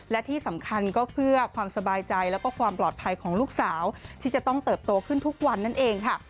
และที่สำคัญก็เพื่อความสบายใจแล้วก็ความปลอดภัยของลูกสาวที่จะต้องเติบโตขึ้นทุกวันนั่นเองค่ะ